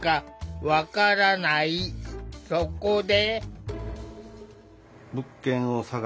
そこで。